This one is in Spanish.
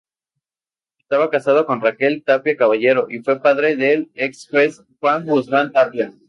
Estaba casado con Raquel Tapia Caballero y fue padre del exjuez Juan Guzmán Tapia.